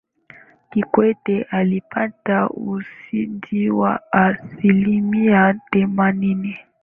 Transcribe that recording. kikwete alipata ushindi wa asilimia themanini